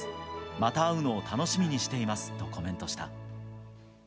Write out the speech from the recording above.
また会うのを楽しみにしていますとコメントした。